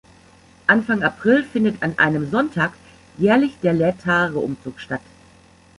Anfang April findet an einem Sonntag jährlich der Laetare-Umzug statt.